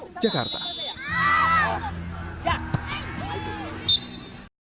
jangan lupa like share dan subscribe ya